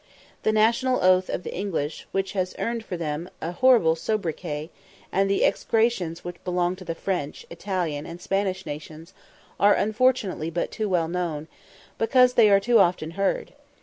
The national oath of the English, which has earned for them abroad a horrible sobriquet, and the execrations which belong to the French, Italian, and Spanish nations, are unfortunately but too well known, because they are too often heard.